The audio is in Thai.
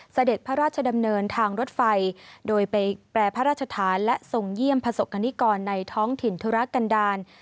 เสด็จพระราชดำเนินทางรถไฟโดยไปแปรพระราชฐานและทรงเยี่ยมประสบกรณิกรในท้องถิ่นธุรกันดาล